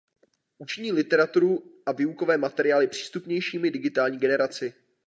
Učiní literaturu a výukové materiály přístupnějšími digitální generaci.